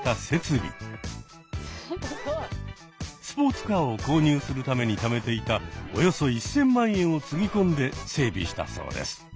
スポーツカーを購入するためにためていたおよそ１，０００万円をつぎ込んで整備したそうです。